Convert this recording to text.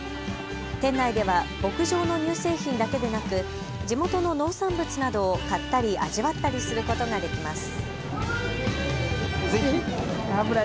店内では牧場の乳製品だけでなく地元の農産物などを買ったり味わったりすることができます。